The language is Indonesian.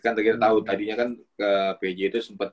kan tiga tahun tadinya kan ke pj itu sempet